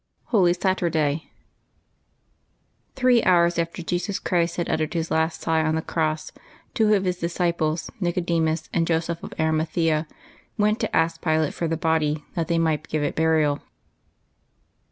HOLY SATURDAY. I^nHREE hours after Jesus Christ had uttered His last Vi^ sigh on the cross, two of His disciples, Nicodemus and Joseph of Arimathea, went to ask Pilate for the body, that they might give it burial.